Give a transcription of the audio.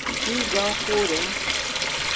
Igaporã